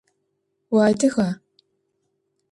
Уадыга?